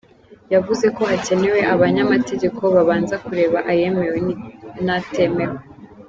Yavuze ko hakenewe abanyamategeko babanza kureba ayemewe n’atemewe.